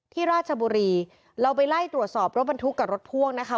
ราชบุรีเราไปไล่ตรวจสอบรถบรรทุกกับรถพ่วงนะคะ